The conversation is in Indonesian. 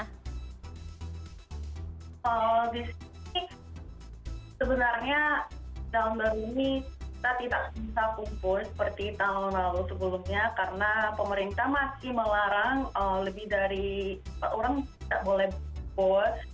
kalau di sini sebenarnya tahun baru ini kita tidak bisa kumpul seperti tahun lalu sebelumnya karena pemerintah masih melarang lebih dari orang tidak boleh bos